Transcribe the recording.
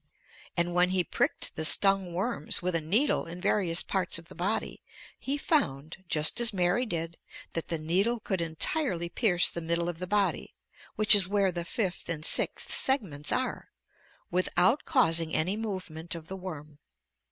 And when he pricked the stung worms with a needle in various parts of the body, he found, just as Mary did, that the needle could entirely pierce the middle of the body (which is where the fifth and sixth segments are), without causing any movement of the worm.